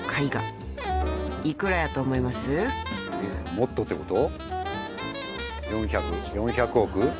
もっとってこと？